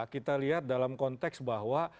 kita lihat dalam konteks bahwa